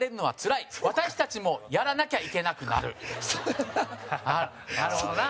陣内：なるほどな。